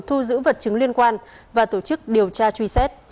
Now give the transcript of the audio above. thu giữ vật chứng liên quan và tổ chức điều tra truy xét